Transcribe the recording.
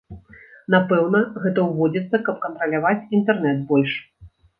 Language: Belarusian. Напэўна, гэта ўводзіцца, каб кантраляваць інтэрнэт больш.